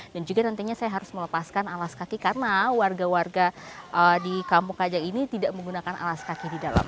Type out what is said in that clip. dan juga nantinya saya harus melepaskan alas kaki karena warga warga di kampung kajang ini tidak menggunakan alas kaki di dalam